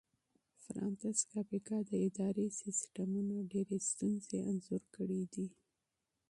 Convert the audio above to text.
فرانتس کافکا د اداري سیسټمونو ډېرې ستونزې انځور کړې دي.